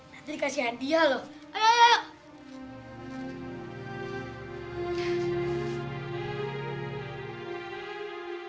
nanti dikasih hadiah loh